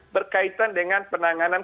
berkaitan dengan penanganan